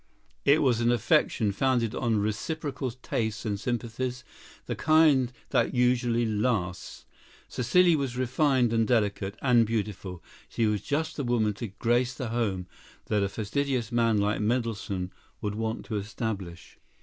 It was an affection founded on reciprocal tastes and sympathies, the kind that usually lasts. Cécile was refined and delicate, and beautiful. She was just the woman to grace the home that a fastidious man like Mendelssohn would want to establish.